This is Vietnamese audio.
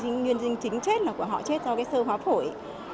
nguyên dinh chính chết là của họ chết do sơ hóa phổi